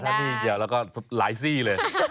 ถ้านี่เดียวแล้วก็หลายซี่เลย